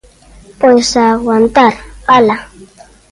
Pois a aguantar, ¡ala!